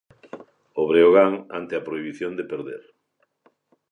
O Breogán ante a prohibición de perder.